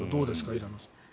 平野さん。